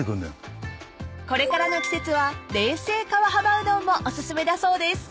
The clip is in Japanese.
［これからの季節は冷製川幅うどんもお薦めだそうです］